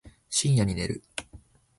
深夜に寝る